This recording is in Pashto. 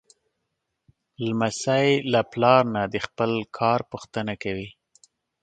لمسی له پلار نه د کار پوښتنه کوي.